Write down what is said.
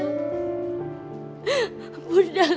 maafin bunda nak